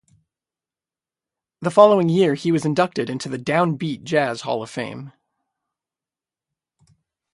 The following year he was inducted into the "Down Beat" Jazz Hall of Fame.